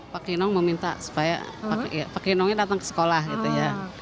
pak kinong meminta supaya pak kinongnya datang ke sekolah gitu ya